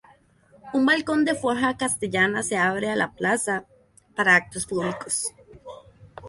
Un balcón de forja castellana se abre a la plaza, para actos públicos.